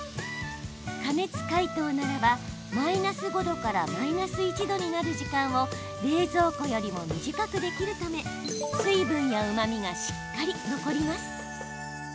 加熱解凍ならばマイナス５度からマイナス１度になる時間を冷蔵庫よりも短くできるため水分やうまみがしっかり残ります。